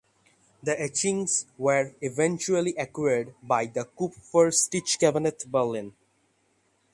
The etchings were eventually acquired by the Kupferstichkabinett Berlin.